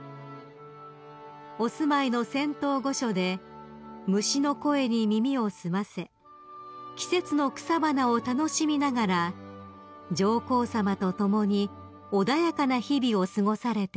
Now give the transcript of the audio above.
［お住まいの仙洞御所で虫の声に耳を澄ませ季節の草花を楽しみながら上皇さまと共に穏やかな日々を過ごされています］